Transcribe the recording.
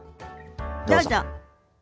どうぞ。